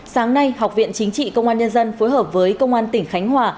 sáng nay học viện chính trị công an nhân dân phối hợp với công an tỉnh khánh hòa